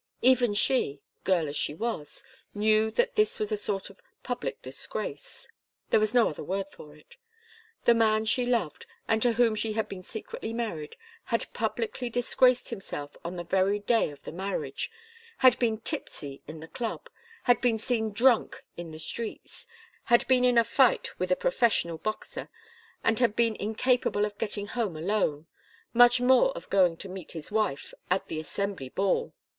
Even she, girl as she was, knew that this was a sort of public disgrace. There was no other word for it. The man she loved, and to whom she had been secretly married, had publicly disgraced himself on the very day of the marriage, had been tipsy in the club, had been seen drunk in the streets, had been in a light with a professional boxer, and had been incapable of getting home alone much more of going to meet his wife at the Assembly ball.